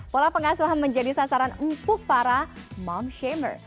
pola pengasuhan menjadi sasaran empuk para mom shamer